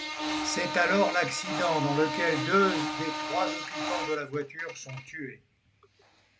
C'est alors l'accident, dans lequel deux des trois occupants de la voiture sont tués.